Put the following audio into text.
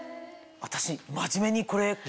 私真面目にこれ。